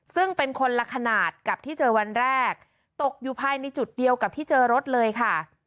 ซึ่งเป็นคนละขนาดกับที่เจอวันแรกตกอยู่ภายในจุดเดียวกับที่เจอรถเลยค่ะ